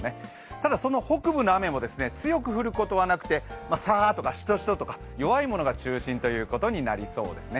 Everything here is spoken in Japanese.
ただ、その北部の雨も強く降ることはなくて、サーッとか、シトシトとか、弱いものが中心になりそうですね。